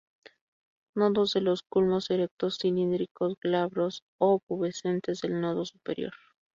Nodos de los culmos erectos, cilíndricos, glabros o pubescentes el nodo superior.